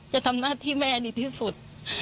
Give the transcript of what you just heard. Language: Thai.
จะทำหน้าที่แม่ดีที่สุด